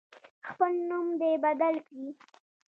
خپل نوم دی بدل کړي.